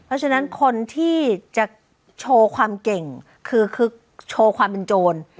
เพราะฉะนั้นคนที่จะโชว์ความเก่งคือโชว์ความเป็นโจร